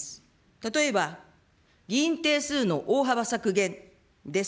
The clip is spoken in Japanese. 例えば、議員定数の大幅削減です。